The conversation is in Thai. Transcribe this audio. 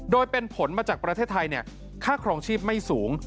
โดยเป็นผลมาจากประเทศไทยค่าครองชีพไม่สูง